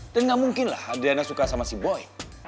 dan gak mungkinlah adriana suka sama si boy